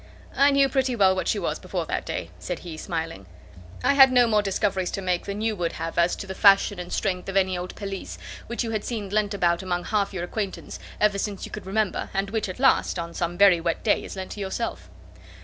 "I knew pretty well what she was before that day;" said he, smiling. "I had no more discoveries to make than you would have as to the fashion and strength of any old pelisse, which you had seen lent about among half your acquaintance ever since you could remember, and which at last, on some very wet day, is lent to yourself.